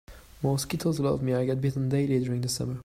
Mosquitoes love me, I get bitten daily during the summer.